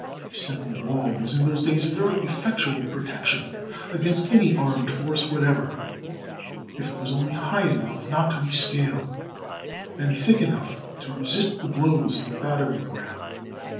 A simple wall was in those days a very effectual protec tion against any armed force whatever, if it was only high enough not to be scaled, and thick enough to resist the blows of a battering ram.